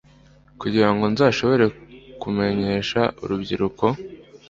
kugira ngo nzashobore kumenyesha urubyiruko